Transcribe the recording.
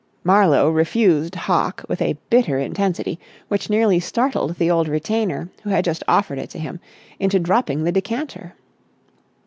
Marlowe refused hock with a bitter intensity which nearly startled the old retainer, who had just offered it to him, into dropping the decanter.